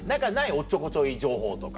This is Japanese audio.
おっちょこちょい情報とか。